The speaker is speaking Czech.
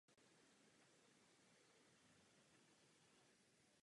Proto by bylo žádoucí, aby Srbsko pokračovalo po evropské cestě.